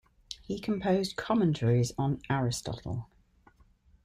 He composed commentaries on Aristotle.